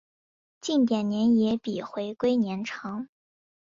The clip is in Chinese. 近点年也比回归年长。